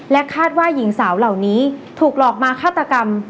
คาดว่าหญิงสาวเหล่านี้ถูกหลอกมาฆาตกรรม